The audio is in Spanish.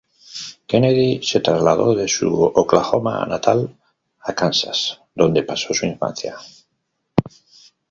Kennedy se trasladó de su Oklahoma natal a Kansas, donde pasó su infancia.